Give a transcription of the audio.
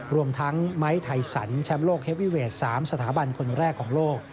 รวมทั้งไม้ไทสันแชมป์โลกเฮวีเวท๓สถาบันคนแรกของโลก